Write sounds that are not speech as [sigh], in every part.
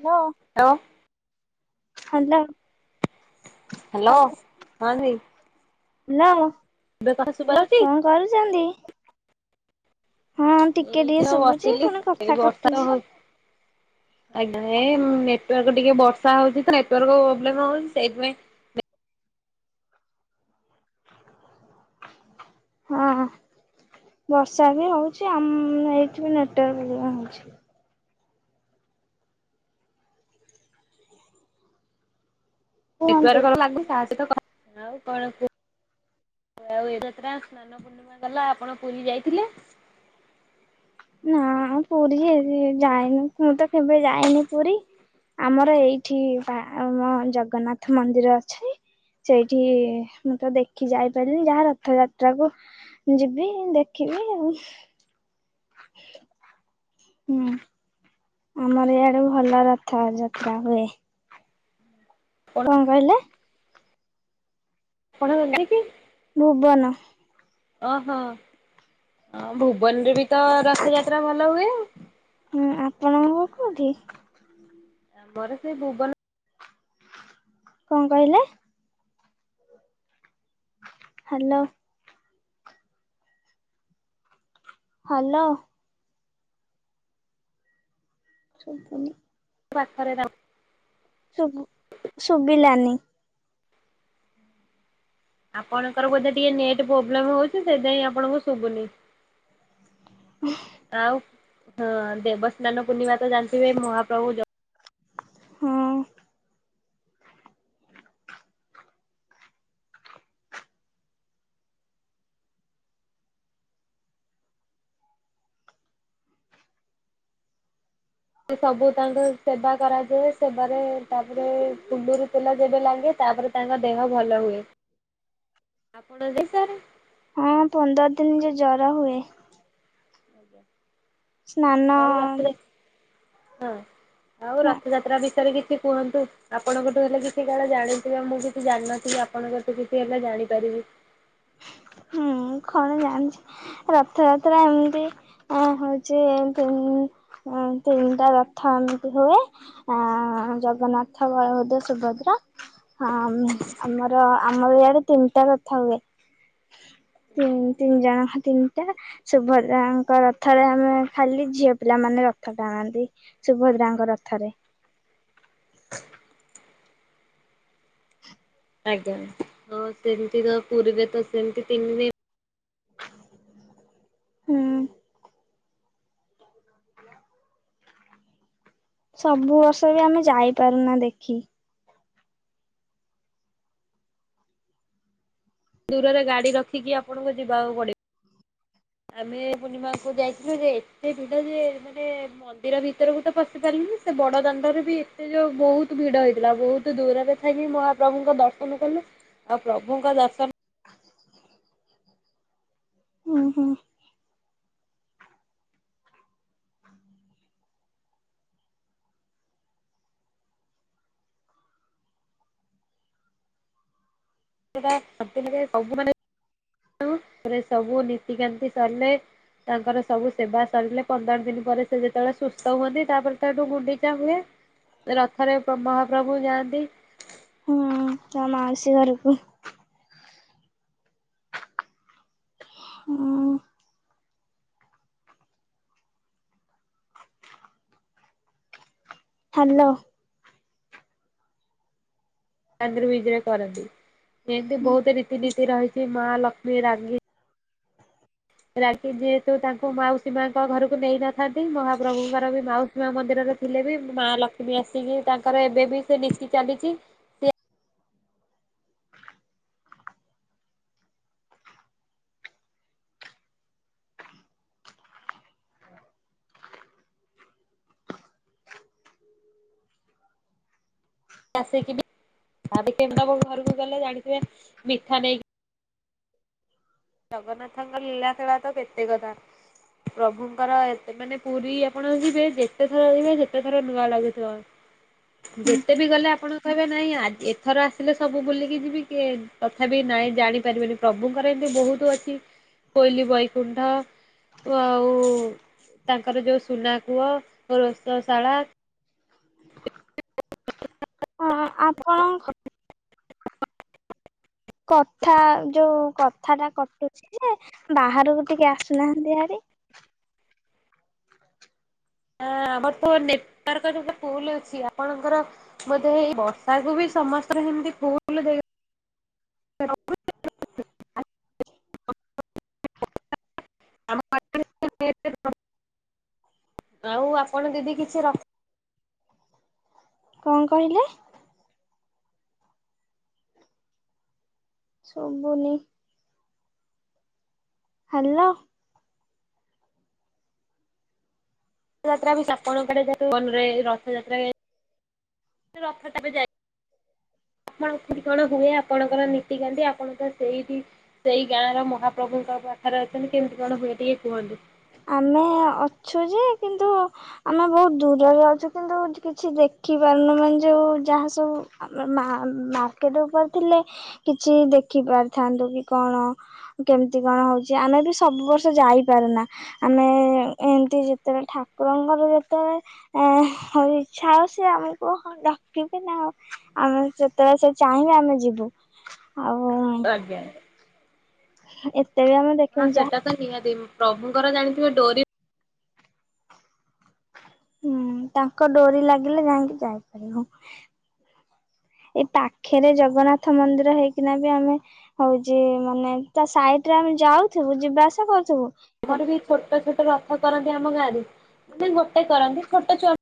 Hello, hello hello. Hello ହଁ ଦେଇ। [unintelligible] ଏବେ [unintelligible] ସୁବା ହୋଉଚି। କଣ କରୁଚନ୍ତି? ଟିକେ ଟିକେ ଏଇଠି ଆଉ ଶୁଭୁଛି ବସଥିଲି, ପୁଣି ଏ କଥା ବର୍ଷା କଟୁଛି। ହୋଉ ଆଜ୍ଞା ଏ ନେଟୱାର୍କ ଟିକେ ବର୍ଷା ହଉଛି ତ ନେଟୱର୍କ ପ୍ରୋବ୍ଲେମ ହଉଛି ସେଇଥିପାଇଁ। ହଁ ବର୍ଷା ବି ହଉଚି, ଆମ ଏଇଠି ନେଟ ୱାର୍କ ପ୍ରୋବେଲମ ହୋଉଚି। କୁହନ୍ତୁ [unintelligible] ଆଉ କଣ କୁ ଆଉ ଏ ଯାତ୍ରା ସ୍ନାନ ପୂର୍ଣ୍ଣିମା ଗଲା ଆପଣ ପୁରୀ ଯାଇଥିଲେ? ନା ପୁରୀ ଯା ଯାଇନି ମୁଁ ତ କେବେ ଯାଇନି ପୁରୀ। ଆମର ଏଇଠି ବା ଆମ ଜଗନ୍ନାଥ ମନ୍ଦିର ଅଛି। ସେଇଠି ମୁଁ ତ ଦେଖି ଯାଇପାରିନି ଯାହା ରଥଯାତ୍ରା କୁ ଯିବି ଦେଖିବି ଆଉ। ହୁଁ। ଆମର ଇଆଡେ ଭଲ ରଥ ଯାତ୍ରା ହୁଏ। କଣ କଁ କହିଲେ? କଣ [unintelligible] ଭୁବନ। ଓହୋ ଅ ଭୁବନରେ ବି ତ ରଥଯାତ୍ରା ଭଲ ହୁଏ। ହୁଁ, ଆପଣଙ୍କ କୋଉଠି? ଆମର ସେ ଭୁବନ କଁ କହିଲେ? ହ୍ୟାଲୋ। ହାଲୋ। ସୁବୁନି। ପାଖରେ ଯାଉ ଶୁଭୁ ଶୁବିଲାନି। ଆପଣଙ୍କର ବୋଧେ ଟିକେ ନେଟେ ପ୍ରୋବ୍ଲେମ୍ ହଉଛି ସେଇଥିପାଇଁ ଆପଣଙ୍କୁ ଶୁବୁନି। ଆଉ ହଁ ଦେବସ୍ନାନ ପୂର୍ଣ୍ଣିମା ତ ଜାଣିଥିବେ ମହାପ୍ରଭୁ ଜ ହଁ। ଉ ସବୁ ତାଙ୍କୁ ସେବା କରାଯାଏ ସେବାରେ ତାପରେ କୁମୁରି ତେଲ ଯେବେ ଲାଗେ ତାପରେ ତାଙ୍କ ଦେହ ଭଲ ହୁଏ ଆପଣ ଯେ ସାରେ ହଁ ପନ୍ଦର ଦିନ ଯେ ଜର ହୁଏ। ସ୍ନାନ ଆଜ୍ଞା ଆଉ ରଥଯା ହଁ। ଆଉ ହୁଁ ରଥଯାତ୍ରା ବିଷୟରେ କିଛି କୁହନ୍ତୁ। ଆପଣଙ୍କଠୁ ହେଲେ କିଛି କାଳେ ଜାଣିଥିବେ ମୁଁ କିଛି ଜାଣିନଥିବି ଆପଣଙ୍କଠୁ କିଛି ହେଲେ ଜାଣିପାରିବି। ହୁଁ ମୁଁ ଖଣ ଜାଣିଛି। ରଥଯାତ୍ରା ଏମିତି ଆଁ ହଉଛି କେଉଁ ଉଁ ତିନିଟା ରଥ ଏମିତି ହୁଏ। ଆଁ ଜଗନ୍ନାଥ ବଳଭଦ୍ର ସୁଭଦ୍ରା। ହଁ ଉଁ ଆମର ଆମର ଇଆଡେ ତିନିଟା ରଥ ହୁଏ। [inaudible] ତିନ୍ ତିନି ଜଣଙ୍କ ତିନିଟା। ସୁଭଦ୍ରାଙ୍କ ରଥରେ ଆମେ ଖାଲି ଝିଅପିଲାମାନେ ରଥ ଟାଣନ୍ତି। ସୁଭଦ୍ରାଙ୍କ ରଥରେ। ଆଜ୍ଞା ହଁ ସେମିତି ତ ପୁରୀ ତ ସେମିତି ତିନି ଦିନ୍ ହୁଁ। ସବୁ ବର୍ଷ ବି ଆମେ ଯାଇପାରୁନା ଦେଖି। ଦୂରରେ ଗାଡି ରଖିକି ଆପଣଙ୍କୁ ଯିବାକୁ ପଡି ଆମେ ପୂର୍ଣିମାକୁ ଯାଇଥିଲୁ ଯେ ଏତେ ଭିଡ ଯେ ମାନେ ମ ମନ୍ଦିର ଭିତରକୁ ତ ପଶି ପାରିଲିନି ସେ ବଡ ଦାଣ୍ଡରେ ବି ଏତେ ଯୋଉ ବୋହୁତୁ ଭିଡ ହେଇଥିଲା ବୋହୁତୁ ଦୂରରେ ଥାବି ମହାପ୍ରଭୁଙ୍କ ଦର୍ଶନ କଲୁ ଆଉ ପ୍ରଭୁଙ୍କ ଦର୍ଶନ ଉଁ ହୁଁ। [unintelligible] ସମ୍ପୂର୍ଣ୍ଣରେ ସବୁ ମାନେ ଉଁ ରେ ସବୁ ନିତିକାନ୍ତି ସରିଲେ ତାଙ୍କର ସବୁ ସେବା ସରିଲେ ପନ୍ଦର ଦିନି ପରେ ସେ ଯେତବେଳେ ସୁସ୍ତ ହୁଅନ୍ତି ତାପରେ ତ ଏଠୁ ଗୁଣ୍ଡିଚା ହୁଏ। ରଥରେ ପ ମହାପ୍ରଭୁ ଯାଆନ୍ତି। ହୁଁ ତାଙ୍କ ମାଉସୀ ଘରୁକୁ। ହଁ। ହ୍ୟାଲୋ। ଳାଦ୍ରି ବିଜେ କରନ୍ତି ଏନ୍ତି ବୋହୁତ ରୀତିନୀତି ରହିଛି ମା ଲକ୍ଷ୍ମୀ ରାଗି ରାଗି ଯେହେତୁ ତାଙ୍କୁ ମାଉସୀ ମାଙ୍କ ଘରୁକୁ ନେଇନଥାନ୍ତି ମହାପ୍ରଭୁଙ୍କର ବି ମାଉ ମା ମନ୍ଦିରରେ ଥିଲେ ବି ମ ମା ଲକ୍ଷ୍ମୀ ଆସିକି ତାଙ୍କର ଏବେ ବି ସେ ନୀତି ଚାଲିଚି। ଆସିକି ବି ତାପଏ କେନ୍ତି ଦବୁ ଘରୁକୁ ଗଲେ ଜାଣିଥିବେ ମିଠା ନେଇକି ଜଗନ୍ନାଥଙ୍କ ଲୀଳା ଖେଳା ତ କେତେ କଥା। ପ୍ରଭୁଙ୍କର ଏତେ ମାନେ ପୁରୀ ଆପଣ ଯିବେ ଯେତେ ଥର ଯିବେ ସେତେଥର ନୂଆ ଲାଗୁଥୁବ। ହଁ ଯେତେ ବି ଗଲେ ଆପଣ କହିବେ ନାଇଁ ଆଜି ଏଥର ଆସିଲେ ସବୁ ବୁଲିକି ଯିବି କି ତଥାବିି ନାଇଁ ଜାଣିପାରିବେନି ପ୍ରଭୁଙ୍କର ଏନ୍ତି ବୋହୁତୁ ଅଛି କୋଇଲି ବୈକୁଣ୍ଠ ଉ ଆଉ ତାଙ୍କର ଯୋଉ ସୁନା କୂଅ ରୋଷଶାଳା। ହଁ ହଁ ଆପଣ କଥା ଯୋଉ କଥା ଟା କଟୁଛି ଯେ ବାହାରକୁ ଟିକେ ଆସୁନାହାନ୍ତି ହାରି। ହ ଆମର ତ ନେପାର୍କ ଗୋଟେ ଫୁଲ ଅଛି ଆପଣଙ୍କର ମୋତେ ଏଇ ବର୍ଷାକୁ ବି ସମସ୍ତେ ସେମତି ଭୁଲ ଦେଇ [inaudible] [unintelligible] ଆମ। [unintelligible] ଆଉ ଆପଣ ଦିଦି କିଛି ରଖ କଣ କହିଲେ? ଶୁବୁନି। ହାଲୋ। ରଥଯାତ୍ରା ବି ସପଙ୍କ କେ ମନରେ ରଥଯାତ୍ରା [unintelligible] ରଥ ଟା ବି ଯାଇ ଆପଣ କି କଣ ହୁଏ ଆପଣଙ୍କର ନୀତିକାନ୍ତିି ଆପଣ ତ ସେଇ ସେଇ ଗାଁ ର ମହାପ୍ରଭୁଙ୍କ ପାଖରେ ଅଛନ୍ତି କେମିତି କଣ ହୁଏ ଟିକେ କୁହନ୍ତି। ଆମେ ଅଛୁ ଯେ କିନ୍ତୁ ଆମେ ବହୁତ ଦୂରରେ ଅଛୁ କିନ୍ତୁ କିଛି ଦେଖିପାରୁନୁ ମାନେ ଯୋଉ ଯାହା ସବୁ ଆମର ମାର୍କ ମାର୍କେଟ ଉପରେ ଥିଲେ କିଛି ଦେଖି ପାରିଥାନ୍ତୁ କି କଣ। କେମିତି କଣ ହଉଛି ଆମେ ବି ସବୁ ବର୍ଷ ଯାଇପାରୁନା। ଆମେ ଏମତି ଯେତେବେଳେ ଠାକୁରଙ୍କର ଯେତେବେଳେ ଆ ଇଚ୍ଛା ଆଉ ସେ ଆମେକୁଣ ଡାକିବେ ନା ଆଉ [unintelligible] ଆମେ ଯେତେବେଳେ ସେ ଚାହିଁଲେ ଆମେ ଯିବୁ ଆଉ। ଆଜ୍ଞା। ଏତେ ବି ଆମର ହଁ ସେଟା ତ ନିହାତି ପ୍ରଭୁଙ୍କର ଜାଣି ଥିବେ ଡୋରି ହୁଁ ତାଙ୍କ ଡୋରି ଲାଗିଲେ ଯାଇକି ଯାଇପାରିବୁ। ଏଇ ପାଖେରେ ଜଗନ୍ନାଥ ମନ୍ଦିର ହେଇକିନା ବି ଆମେ ହଉଛି ମାନେ ତା ସାଇଡ ରେ ଆମେ ଯାଉଥିବୁ ଯିବା ଆସା କରୁଥିବୁ। ଆମର ବି ଛୋଟ ଛୋଟ ରଥ କରନ୍ତି ଆମ ଗାଁରେ ମାନେ ଗୋଟେ କରନ୍ତି ଛୋଟ ଛୁଆ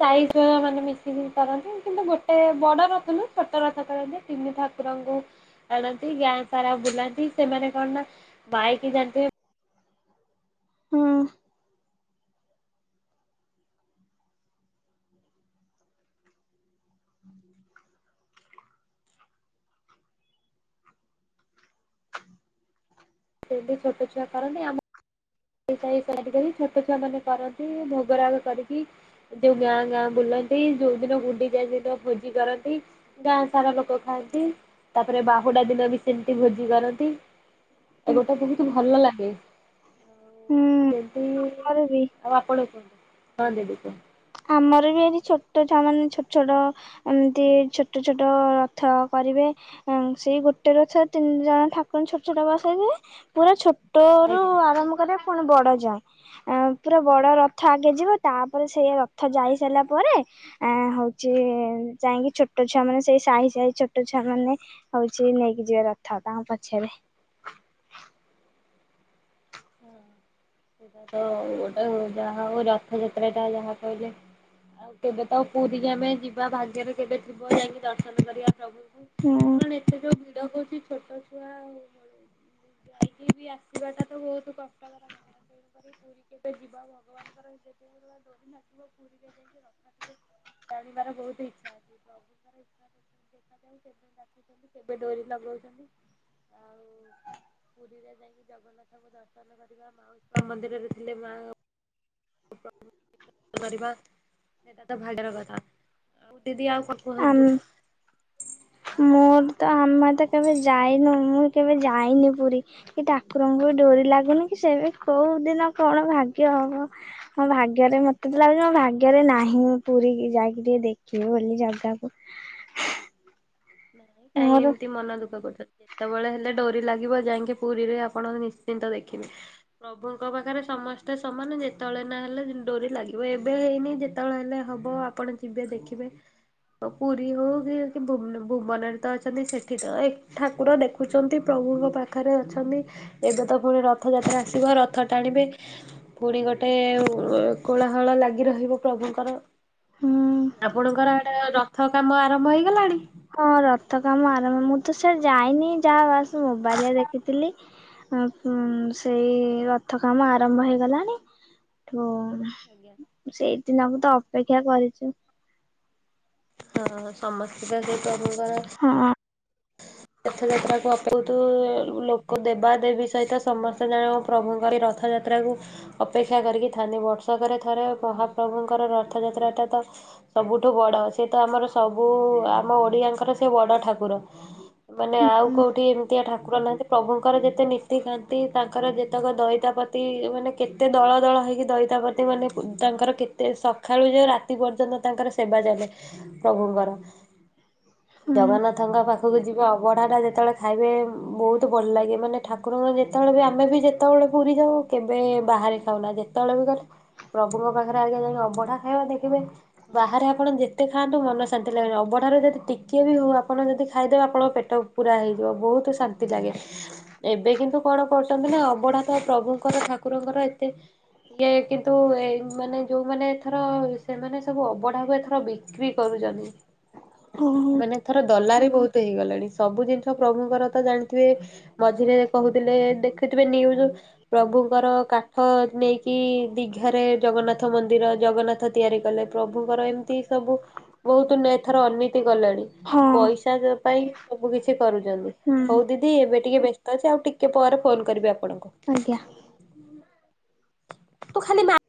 ସାଇ ଚୁଆ ମାନେ ମିଶିକି କରନ୍ତି କିନ୍ତୁ ଗୋଟେ ବଡ ରଥ ନୁହଁ ଛୋଟ ରଥ କରନ୍ତି ତିନି ଭା କୁରଙ୍କୁ ଆଣନ୍ତି ଗାଁ ସାରା ବୁଲାନ୍ତି ସେମାନେ କଣ ନା ମାଇକି ଯାଆନ୍ତି ହଁ। ଛୋଟ ଛୁଆ କରନ୍ତି ଆମ ଛୋଟ ଛୁଆମାନେ କରନ୍ତି ଭୋଗ ରାଗ କରିକି। ଯୋଉ ଗାଁ ଗାଁ ବୁଲନ୍ତି ଯୋଉ ଦିନ ଗୁଣ୍ଡି ଯାଏ ସେଦିନ ଭୋଜି କରନ୍ତି। ଗାଁ ସାରା ଲୋକ ଖାଆନ୍ତି ତାପରେ ବାହୁଡା ଦିନ ବି ସେମିତି ଭୋଜି କରନ୍ତି। ଏଗୋଟା ବହୁତ ଭଲ ଲାଗେ। ହୁଁ ସେମତି ଆମର ବି ଆଉ ଆପଣ କୁହନ୍ତୁ ହଁ ଦିଦି କୁହନ୍ତୁ। ଆମର ବି ଏଠି ଛୋଟ ଛୁଆମାନେ ଛୋଟ ଛୋଟ ଏମିତି ଛୋଟ ଛୋଟ ରଥ କରିବେ। ସେଇ ଗୋଟେ ରଥ ତିନି ଜଣ ଠାକୁର ଛୋଟ ଛୋଟ ବସେଇ ଦେବେ ପୁରା ଛୋଟ ଆଜ୍ଞା। ମୁଁ କ [unintelligible] ପୁଣି ବଡ ଯାଏଁ ପୁରା ବଡ ରଥ ଆଗେ ଯିବ ତାପରେ ସେଇ ରଥ ଯାଇସାରିଲା ପରେ ଆ ହଉଛି ଯାଇକି ଛୋଟ ଛୁଆମାନେ ସେଇ ସାହି ସାହି ଛୋଟ ଛୁଆମାନେ ହଉଛି ନେଇକି ଯିବେ ରଥ, ତାଙ୍କ ପଛରେ। ସେଟା ତ ଗୋଟେ ଯାହା ହଉ, ରଥଯାତ୍ରାଟା ଯାହା କହିଲେ ଆଉ କେବେ ତ ପୁରୀ ଆମେ ଯିବା, ଭାଗ୍ୟରେ କେବେ ଥିବ, ଯାଇକି ଦର୍ଶନ କରିବା ପ୍ରଭୁଙ୍କୁ। ହଁ। କଣ ଏତେ ଯୋଉ ଭିଡ ହଉଛି, ଛୋଟ ଛୁଆ ଆଉ କଣ, ଯାଇକି ବି ଆସିବାଟା ତ ବହୁତ କଷ୍ଟକର କଥା। ତେଣୁକରି ପୁରୀ କେବେ ଯିବା, ଭଗବାନଙ୍କର ଯେତେବେଳେ ଡୋରି ଲାଗିବ ପୁରୀରେ ରଥ ଟିକେ ଟାଣିବାର ବହୁତ ଇଛା ଅଛି, ପ୍ରଭୁଙ୍କର ଇ ଦେଖାଯାଉ କେବେ ଡାକୁଚନ୍ତି, କେବେ ଡୋରି ଲଗାଉଛନ୍ତି। ଆଉ ପୁରୀରେ ଯାଇକି ଜଗନ୍ନାଥଙ୍କୁ ଦର୍ଶନ କୀର୍ତ୍ତନ କରିବା, ମାଉସୀ ମା ମନ୍ଦିରରେ ଥିଲେ ମା କରିବା, ସେଟା ତ ଭାଗ୍ୟର କଥା। ଆଉ ଦିଦି ଆଉ କ ଆମ କୁହନ୍ତୁ? ମୋର ତ, ଆମାତ କେବେ ଯାଇନୁ, ମୁଁ କେବେ ଯାଇନି ପୁରୀ। କି ଠାକୁରଙ୍କୁ ବି ଡୋରି ଲାଗୁନି କି, ସେବେ କୋଉ ଦିନ କଣ ଭାଗ୍ୟ ହବ? ମୋ ଭାଗ୍ୟରେ, ମତେ ତ ଲାଗୁଛି ମୋ ଭାଗ୍ୟରେ ନାହିଁ, ପୁରୀକୁ ଯାଇକି ଟିକେ ଦେଖିବି ବୋଲି ଜ ଗାକୁ। ନାଇଁ, କାଇଁ ଏମିତି ମନ ଦୁଃଖ କରୁଛ, [unintelligible] କେତେବେଳେ ହେଲେ ଡୋରି ଲାଗିବ, ଯାଇକି ପୁରୀରେ ଆପଣ ନିଶ୍ଚିନ୍ତ ଦେଖିବେ। ପ୍ରଭୁଙ୍କ ପାଖରେ ସମସ୍ତେ ସମାନ, ଯେତେବେଳେ ନା ହେଲେ ଡୋରି ଲାଗିବ, ଏବେ ହେଇନି ଯେ ତେବେଳେ ହେଲେ ହବ, ଆପଣ ଯିବେ ଦେଖିବେ, ତ ପୁରୀ ହଉ କି, କି [unintelligible] ଭୁବନରେ ତ ଅଛନ୍ତି, ସେଠି ତ ଠାକୁର ଦେଖୁଛନ୍ତି, ପ୍ରଭୁଙ୍କ ପାଖରେ ଅଛନ୍ତି। ଏବେ ତ ପୁଣି ରଥଯାତ୍ରା ଆସିବ, ରଥ ଟାଣିବେ। ପୁଣି ଗୋଟେ କୋଳାହଳ ଲାଗି ରହିବ ପ୍ରଭୁଙ୍କର। ହୁଁ। ଆପଣଙ୍କର ଆଡେ ରଥ କାମ ଆରମ୍ଭ ହେଇଗଲାଣି? ହଁ ରଥ କାମ ଆରମ୍ଭ, ମୁଁ ତ ସିଆଡେ ଯାଇନି, ଯାହା ବାସ ମୋବାଇଲରେ ଦେଖିଥିଲି। [unintelligible] ସେଇ ରଥ କାମ ଆରମ୍ଭ ହେଇଗଲାଣି [unintelligible] ଆଜ୍ଞା। ସେଇଦିନକୁ ତ ଅପେକ୍ଷା କରିଚୁ। ହଁ, ସମସ୍ତେ ତ ସେଇ ପ୍ରଭୁଙ୍କର ହଁଁ ଅଁ। ରଥଯାତ୍ରାକୁ ଅପଉତୁ ଲୋକ ଦେବା ଦେବୀ ସହିତ ସମସ୍ତେ ଜାଣ ପ୍ରଭୁଙ୍କର ଏଇ ରଥଯାତ୍ରା ଯାତ୍ରାକୁ ଅପେକ୍ଷା କରିକି ଥାଆନ୍ତି, ବର୍ଷକରେ ଥରେ ମହାପ୍ରଭୁଙ୍କର ରଥଯାତ୍ରାଟା ତ ସବୁଠୁ ବଡ, ସେ ତ ଆମର ସବୁ, ଆମ ଓଡ଼ିଆଙ୍କର ସେ ବଡ଼ ଠାକୁର। ମାନେ, ହୁଁ ଆଉ ହୁଁ କୋଉଠି ଏମିତିଆ ଠାକୁର ନାହାନ୍ତି। ପ୍ରଭୁଙ୍କର ଯେତେ ନୀତିକାନ୍ତି, ତାଙ୍କର ଯେତେକ ଦଇତାପତି, ମାନେ କେତେ ଦଳ ଦଳ ହେଇକି ଦଇତାପତି ମାନେ, ତାଙ୍କର କେତେ, ସକାଳୁ ଯେ ରାତି ପର୍ଯ୍ୟନ୍ତ ତାଙ୍କର ସେବା ଚାଲେ। ପ୍ରଭୁଙ୍କର, ଜଗନ୍ନାଥଙ୍କ ପାଖକୁ ଯି ଅବଢା ଟା ଯେତେବେଳେ ଖାଇବେ, ବହୁତ ଭଲ ଲାଗେ, ମାନେ ଠାକୁରଙ୍କ ଯେତେବେଳେ ବି ଆମେ ବି ଯେତେବେଳେ ପୁରୀ ଯାଉ କେବେ ବାହାରେ ଖାଉନା, ଯେତେବେଳେ ବି ଗଲେ, ପ୍ରଭୁଙ୍କ ପାଖରେ ଆଗେ ଜଣେ ଅବଢା ଖାଇବ, ଦେଖିବେ ବାହାରେ ଆପଣ ଯେତେ ଖାଆନ୍ତୁ, ମନ ଶାନ୍ତି ଲାଗେନି, ଅବଢାରୁରେ ଯଦି ଟିକିଏ ବି ହଉ, ଆପଣ ଯଦି ଖାଇଦେବେ, ଆପଣ ପେଟ ପୁର ହେଇଯିବ, ବହୁତ ଶାନ୍ତି ଲାଗେ। ଏବେ କିନ୍ତୁ କଣ କରୁଛନ୍ତି ନା, ଅବଢା ତ ପ୍ରଭୁଙ୍କର, ଠାକୁରଙ୍କର ଏତେ ଇଏ କିନ୍ତୁ, ଏ ମାନେ, ଯୋଉମାନେ ଏଥର, ସେମାନେ ସବୁ ଅବଢା କୁ ଏଥର ବି ବିକ୍ରି କରୁଚନ୍ତି। ହଁ ହଁ ମାନେ ଏଥର ଦଲାର ବହୁତ ହେଇଗଲାଣି ସବୁ ଜିନିଷ ପ୍ରଭୁଙ୍କର ତ ଜାଣିଥିବେ ମଝିରେ କହୁଥିଲେ ଦେଖୁଥିବେ ନିୟୁଜ୍ ପ୍ରଭୁଙ୍କର କାଠ ନେଇକି ଦିଘାରେ ଜଗନ୍ନାଥ ମନ୍ଦିର ଜଗନ୍ନା ଥ ତିଆରି କଲେ ପ୍ରଭୁଙ୍କର ଏମିତି ସବୁ ବହୁତ ନେ ଏଥର ଅନୀତି ଗଲେଣି ହଁ ପଇସା ଜ ପାଇଁ ସବୁ କିଛି କରୁଛନ୍ତି ହୁଁ। ହଉ ଦି ଦି ଏବେ ଟିକେ ବ୍ୟସ୍ତ ଅଛି ଆଉ ଟିକେ ପରେ ଫୋନ କରିବି ଆପଣଙ୍କୁ। ଆଜ୍ଞା ତୁ ଖାଲି ମା